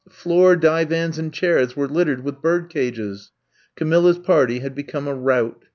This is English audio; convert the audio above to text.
Floor, divans and chairs were littered with bird cages. Camilla 's party had become a rout.